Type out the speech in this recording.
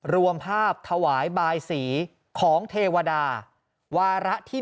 รวมภาพถวายบายสีของเทวดาวาระที่